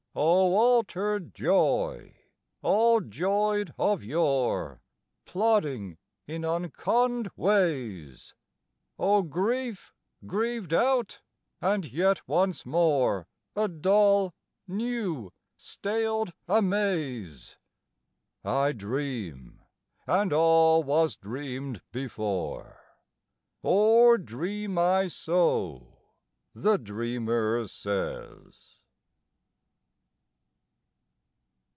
O altered joy, all joyed of yore, Plodding in unconned ways! O grief grieved out, and yet once more A dull, new, staled amaze! I dream, and all was dreamed before, Or dream I so? the dreamer says.